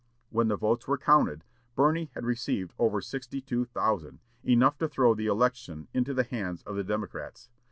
When the votes were counted Birney had received over sixty two thousand, enough to throw the election into the hands of the Democrats.